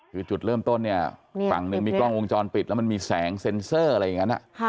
คือจุดเริ่มต้นเนี่ยฝั่งหนึ่งมีกล้องวงจรปิดแล้วมันมีแสงเซ็นเซอร์อะไรอย่างนั้น